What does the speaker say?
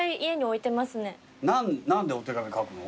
何でお手紙書くの？